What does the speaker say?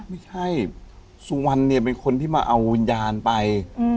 ไม่ใช่สุวรรณเนี่ยเป็นคนที่มาเอาวิญญาณไป